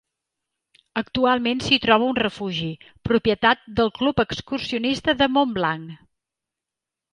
Actualment s'hi troba un refugi, propietat del Club Excursionista de Montblanc.